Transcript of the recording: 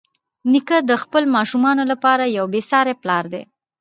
نیکه د خپلو ماشومانو لپاره یو بېساري پلار دی.